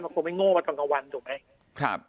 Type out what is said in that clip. มันก็ควรไม่โง่ต่างกว่าวันถูกไหม